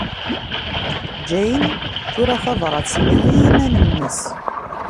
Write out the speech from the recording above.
Jane tura tabṛat-nni i yiman-nnes.